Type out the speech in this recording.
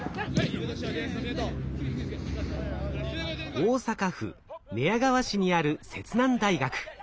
大阪府寝屋川市にある摂南大学。